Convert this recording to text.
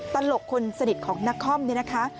ตลกคนสนิทของนาคอมนี้นะคะ